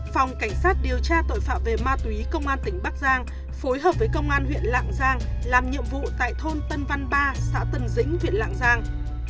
phòng cảnh sát điều tra tội phạm về ma túy công an tỉnh bắc giang phối hợp với công an huyện lạng giang làm nhiệm vụ tại thôn tân văn ba xã tân dĩnh huyện lạng giang